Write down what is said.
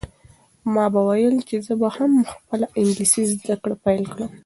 ما به ویل چې زه به هم خپله انګلیسي زده کړه پیل کړم.